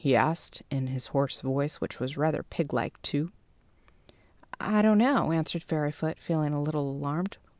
he asked in his hoarse voice, which was rather piglike, too. "I don't know," answered Fairyfoot, feeling a little alarmed.